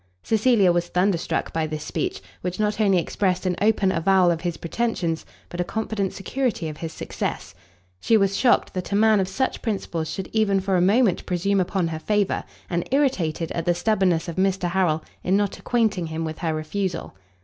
Cecilia was thunderstruck by this speech, which not only expressed an open avowal of his pretensions, but a confident security of his success. She was shocked that a man of such principles should even for a moment presume upon her favour, and irritated at the stubbornness of Mr. Harrel in not acquainting him with her refusal.